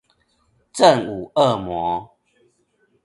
正午惡魔